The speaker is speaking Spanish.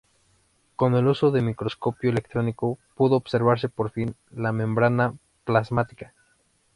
Con el uso del microscopio electrónico, pudo observarse por fin la membrana plasmática.